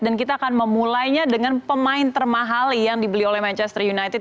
dan kita akan memulainya dengan pemain termahali yang dibeli oleh manchester united